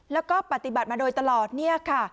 แล้วก็ปฏิบัติมาโดยตลอดเนี่ยค่ะ